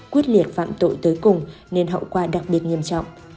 quyết liệt phạm tội tới cùng nên hậu quả đặc biệt nghiêm trọng